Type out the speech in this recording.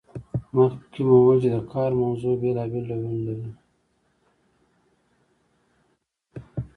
مخکې مو وویل چې د کار موضوع بیلابیل ډولونه لري.